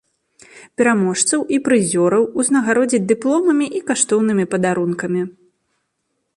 Пераможцаў і прызёраў узнагародзяць дыпломамі і каштоўнымі падарункамі.